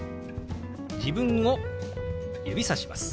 自分を指さします。